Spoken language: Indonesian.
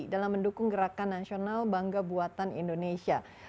dalam mendukung gerakan nasional bangga buatan indonesia